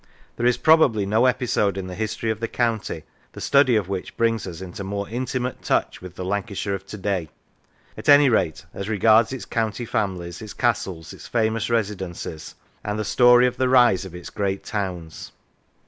There is probably no episode in the history of the county the study of which brings us into more intimate touch with the Lancashire of to day at any rate as regards its county families, its castles, its famous residences, and the story 83 Lancashire of the rise of its great towns.